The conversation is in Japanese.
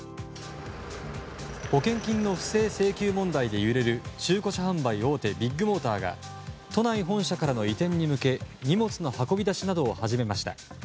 保険金の不正請求問題で揺れる中古車販売大手ビッグモーターが都内本社からの移転に向け荷物の運び出しなどを始めました。